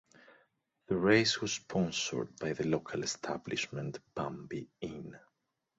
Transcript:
The race was sponsored by the local establishment Bambi Inn.